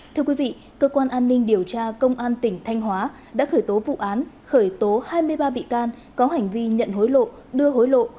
thưa quý vị cơ quan an ninh điều tra công an tỉnh thanh hóa đã khởi tố vụ án khởi tố hai mươi ba bị can có hành vi nhận hối lộ đưa hối lộ